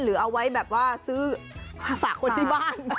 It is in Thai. หรือเอาไว้แบบว่าซื้อมาฝากคนที่บ้าน